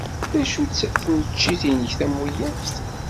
D acu-tt tneččit-nnek tamuyaft?